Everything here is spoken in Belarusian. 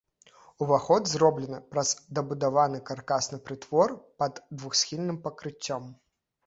Уваход зроблены праз дабудаваны каркасны прытвор пад двухсхільным пакрыццём.